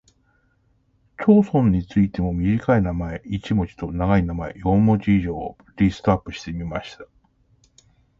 町村についても短い名前（一文字）と長い名前（四文字以上）をリストアップしてみました。